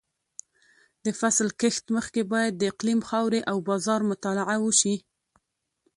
د فصل کښت مخکې باید د اقلیم، خاورې او بازار مطالعه وشي.